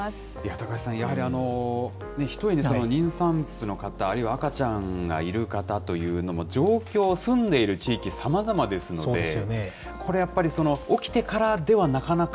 高橋さん、やはりひとえに妊産婦の方、あるいは赤ちゃんがいる方というのも、状況、住んでいる地域、さまざまですので、これやっぱり、起きてからではなかなか。